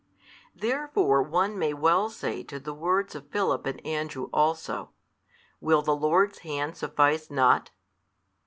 Therefore one may well say to the words of Philip and Andrew also, Will the Lord's Hand suffice not?